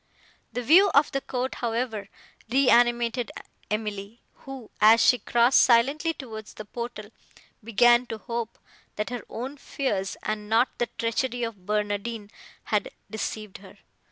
The view of the court, however, reanimated Emily, who, as she crossed silently towards the portal, began to hope, that her own fears, and not the treachery of Barnardine, had deceived her.